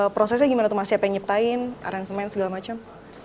prosesnya gimana siapa yang nyiptain arrangement segala macam